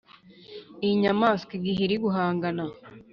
Iyi nyamaswa igihe iri guhangana